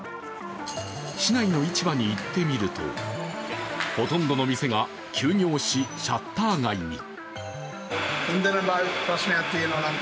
市内の市場に行ってみると、ほとんどの店が休業し、シャッター街に。